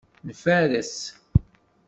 Nfares.